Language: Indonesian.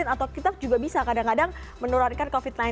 atau kita juga bisa kadang kadang menurunkan covid sembilan belas